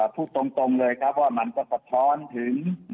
พูดตรงเลยครับว่ามันก็สะท้อนถึง